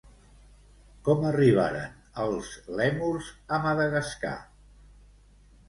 Com arribaren els lèmurs a Madagascar?